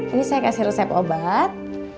ini saya kasih resep obat